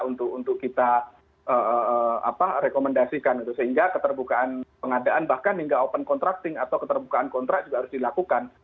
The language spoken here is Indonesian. untuk kita rekomendasikan sehingga keterbukaan pengadaan bahkan hingga open contracting atau keterbukaan kontrak juga harus dilakukan